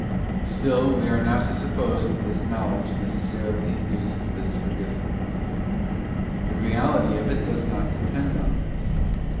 Still we are not to suppose that this knowledge neces sarily induces this forgetfulness; the reality of it does not depend on this.